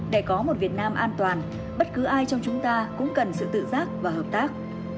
để có một việt nam an toàn bất cứ ai trong chúng ta cũng cần sự tự giác và hợp tác